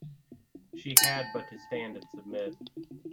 She had but to stand and submit.